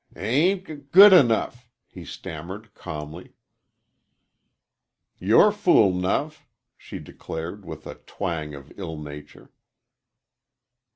"Ain't g good'nough," he stammered, calmly. "You're fool 'nough," she declared, with a twang of ill nature.